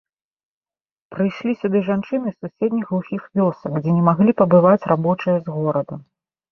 Прыйшлі сюды жанчыны з суседніх глухіх вёсак, дзе не маглі пабываць рабочыя з горада.